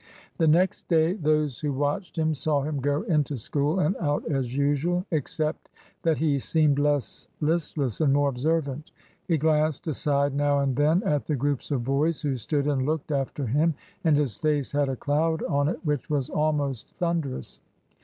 The next day those who watched him saw him go into school and out as usual, except that he seemed less listless and more observant. He glanced aside now and then at the groups of boys who stood and looked after him, and his face had a cloud on it which was almost thunderous.